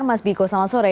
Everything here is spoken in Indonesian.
mas biko selamat sore